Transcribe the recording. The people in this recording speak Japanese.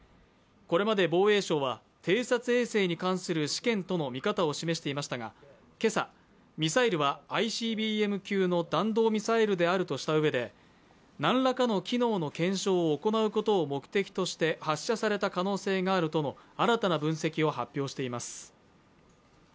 これまで防衛省は偵察衛星に関する試験との見方を示していましたが、今朝、ミサイルはＩＣＢＭ級の弾道ミサイルであるとしたうえで、何らかの機能の検証を行うことを目的として発射された可能性があるとの新たな分析を発表しています。